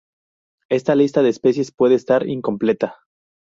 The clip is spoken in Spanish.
Esta lista de especies puede estar incompleta.